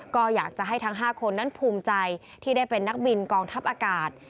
ก็อยากจะให้ทั้ง๕คนนั้นภูมิใจที่ได้เป็นนักบินกองทัพอากาศ